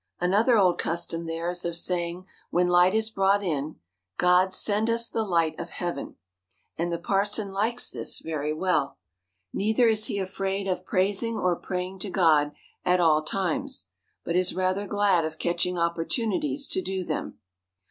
Another old custom there is of saying, when light is brought in —" God send us the light of heaven !" and the parson likes this very well. Neither is he afraid of praising or praying to God at all times, but is rather glad of catching opportunities to do them.